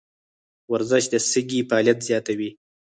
ورزش د سږي فعالیت زیاتوي.